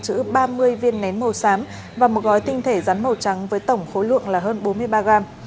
đăng tàng trữ ba mươi viên nén màu xám và một gói tinh thể rắn màu trắng với tổng khối lượng là hơn bốn mươi ba gram